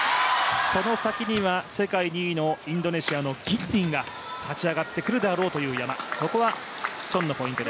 その先には、世界２位のインドネシアの選手が勝ち上がってくるだろうという山。